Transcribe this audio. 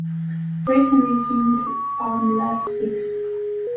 Racing resumed on lap six.